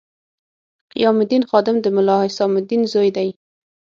قیام الدین خادم د ملا حسام الدین زوی دی.